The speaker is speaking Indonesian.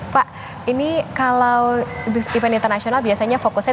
pak ini kalau event internasional biasanya fokusnya